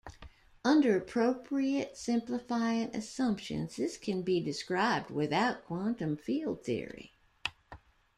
Under appropriate simplifying assumptions this can be described without quantum field theory.